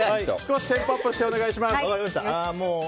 テンポアップでお願いします。